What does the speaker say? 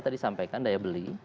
tadi sampaikan daya beli